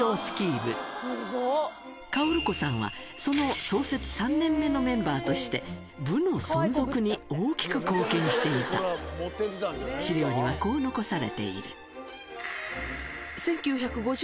薫子さんはその創設３年目のメンバーとして部の存続に大きく貢献していた資料にはそこでウソでしょ？